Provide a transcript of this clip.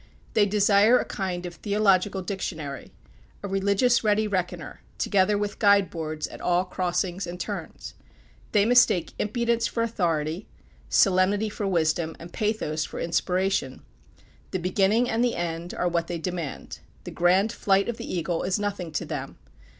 They desire a kind of theological dictionary a religious ready reckoner, together with guide boards at all crossings and turns. They mistake impudence for authority, solemnity for wisdom, and pathos for inspiration. The beginning and the end are what they demand. The grand flight of the eagle is nothing to them.